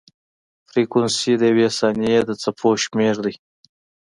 فریکونسي د یوې ثانیې د څپو شمېر دی.